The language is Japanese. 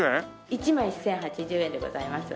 １枚１０８０円でございます。